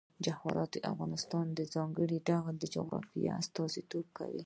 جواهرات د افغانستان د ځانګړي ډول جغرافیه استازیتوب کوي.